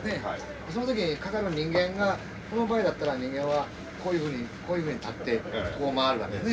その時かかる人間がこの場合だったら人間はこういうふうに立ってこう回るわけね。